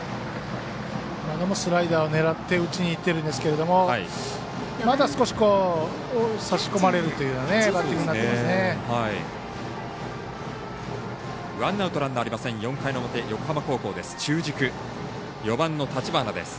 今のもスライダー狙いにいって打ちにいってるんですけどまだ少しさし込まれるというバッティングになってますね。